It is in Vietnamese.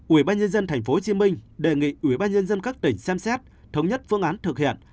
ubnd tp hcm đề nghị ubnd các tỉnh xem xét thống nhất phương án thực hiện